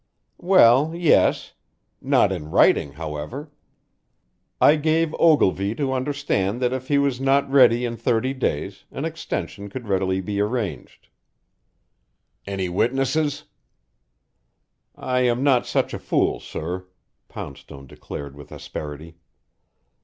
"Well, yes not in writing, however. I gave Ogilvy to understand that if he was not ready in thirty days, an extension could readily be arranged." "Any witnesses?" "I am not such a fool, sir," Poundstone declared with asperity.